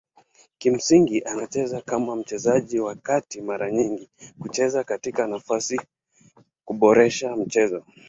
Kimsingi anacheza kama mchezaji wa kati mara nyingi kucheza katika nafasi kuboresha mchezo.